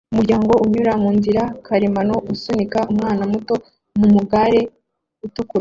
Umuryango unyura munzira karemano usunika umwana muto mumugare utukura